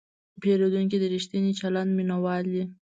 پیرودونکی د ریښتیني چلند مینهوال دی.